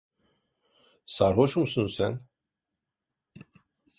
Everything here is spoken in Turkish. Sarhoş musun sen?